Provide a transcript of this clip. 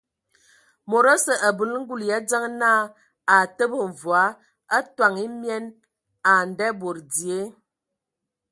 Mod osə abələ ngul yʼadzəŋ na utəbə mvɔa atoŋ emien ai ndabod dzie.